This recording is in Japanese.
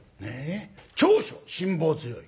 「長所辛抱強い。